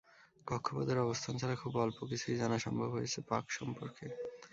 কক্ষপথের অবস্থান ছাড়া খুব অল্প কিছুই জানা সম্ভব হয়েছে পাক সম্পর্কে।